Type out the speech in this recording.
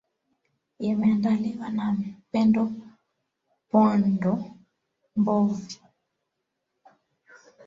yameandaliwa nami pendo pondo ndovi